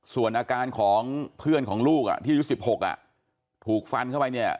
ส่วนอาการของเพื่อนของลูกที่อายุ๑๖ถูกฟันเข้าไปเนี่ย